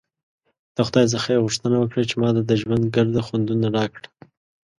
د خدای څخه ېې غوښتنه وکړه چې ماته د ژوند ګرده خوندونه راکړه!